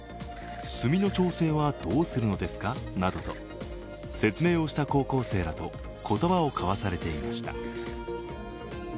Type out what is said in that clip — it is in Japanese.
墨の調整はどうするのですかなどと説明をした高校生らと言葉を交わされていました。